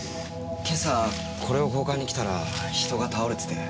今朝これを交換に来たら人が倒れてて。